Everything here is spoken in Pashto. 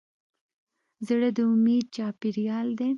زړه د امید چاپېریال دی.